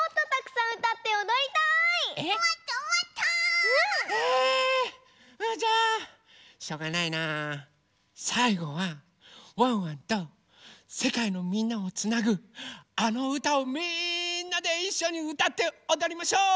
さいごはワンワンとせかいのみんなをつなぐあのうたをみんなでいっしょにうたっておどりましょう！